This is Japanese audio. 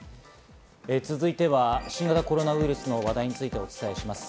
続いては新型コロナウイルスの話題についてお伝えします。